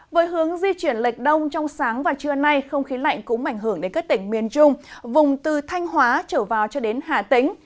với hướng di chuyển lệch đông trong sáng và trưa nay không khí lạnh cũng ảnh hưởng đến các tỉnh miền trung vùng từ thanh hóa trở vào cho đến hà tĩnh